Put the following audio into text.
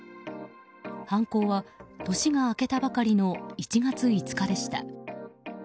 犯行は、年が明けたばかりの１月５日でした。